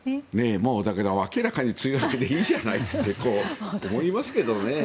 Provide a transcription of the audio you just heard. もう、だけど明らかに梅雨明けでいいじゃないって思いますけどね。